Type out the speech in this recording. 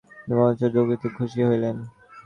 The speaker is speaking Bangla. গৌরসুন্দর যজ্ঞেশ্বরের দুর্গতিতে খুশি হইলেন।